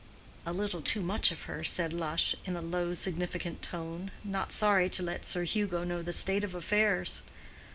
"A little too much of her," said Lush, in a low, significant tone; not sorry to let Sir Hugo know the state of affairs.